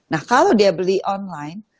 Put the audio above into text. nah kalau dia beli online